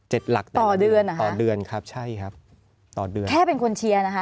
หลักต่อเดือนเหรอคะต่อเดือนครับใช่ครับต่อเดือนแค่เป็นคนเชียร์นะคะ